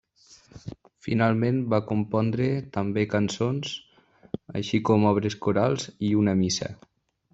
Finalment va compondre també cançons, així com obres corals i una missa.